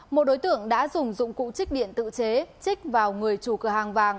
một đối tượng đã dùng dụng cụ trích điện tự chế trích vào người chủ cửa hàng vàng